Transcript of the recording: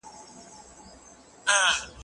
زه له سهاره درسونه لوستل کوم!؟